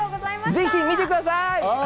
ぜひ見てください！